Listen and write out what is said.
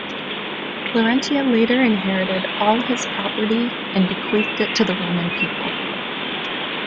Larentia later inherited all his property and bequeathed it to the Roman people.